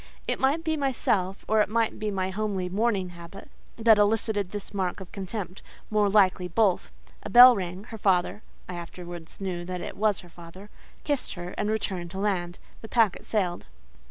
It might be myself, or it might be my homely mourning habit, that elicited this mark of contempt; more likely, both. A bell rang; her father (I afterwards knew that it was her father) kissed her, and returned to land. The packet sailed.